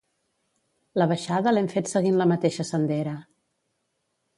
La baixada l'hem fet seguint la mateixa sendera.